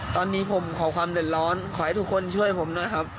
ตอนนี้ผมขอความเดือดร้อนขอให้ทุกคนช่วยผมหน่อยครับ